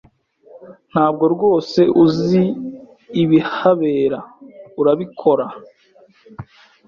Ntabwo rwose uzi ibihabera, urabikora?